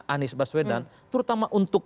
anies baswedan terutama untuk